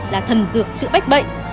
là thần dược chữa bách bệnh